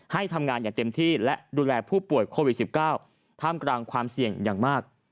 ให้ทำงานอย่างเต็มที่และดูแลผู้ป่วยโควิด๑๙ท่ามกลางความเสี่ยงอย่างมาก